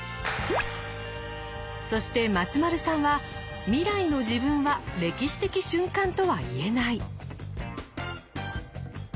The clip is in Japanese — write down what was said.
そして松丸さんは未来の自分は歴史的瞬間とは言えない。